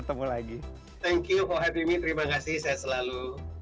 thank you for having me terima kasih saya selalu